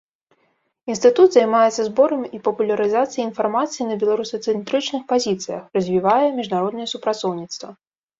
Інстытут займаецца зборам і папулярызацыяй інфармацыі на беларусацэнтрычных пазіцыях, развівае міжнароднае супрацоўніцтва.